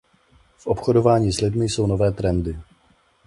V obchodování s lidmi jsou nové trendy.